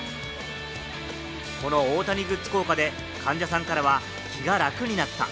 この大谷グッズ効果で患者さんからは、気が楽になった。